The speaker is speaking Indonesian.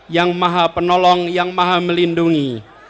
yang maha penolong yang maha melindungi